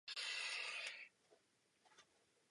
Jedná se o tradičně republikánský okres.